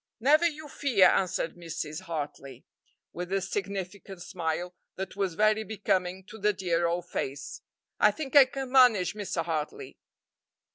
"Never you fear," answered Mrs. Hartley, with a significant smile that was very becoming to the dear old face; "I think I can manage Mr. Hartley."